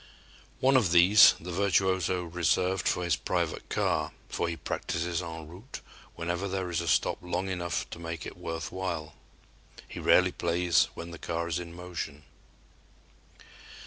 One of these the virtuoso reserved for his private car, for he practices en route whenever there is a stop long enough to make it worth while. He rarely plays when the car is in motion.